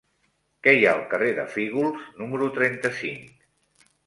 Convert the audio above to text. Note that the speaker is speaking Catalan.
Què hi ha al carrer de Fígols número trenta-cinc?